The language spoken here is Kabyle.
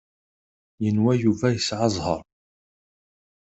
Yenwa Yuba yesɛa zzheṛ.